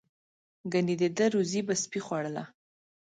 ګنې د ده روزي به سپي خوړله.